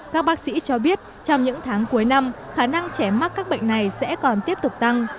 các bác sĩ cho biết trong những tháng cuối năm khả năng trẻ mắc các bệnh này sẽ còn tiếp tục tăng